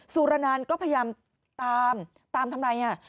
สุรนันก็พยายามตามตามทำอะไรอ่ะ